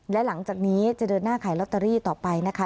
และหลังจากนี้จะเดินหน้าขายลอตเตอรี่ต่อไปนะคะ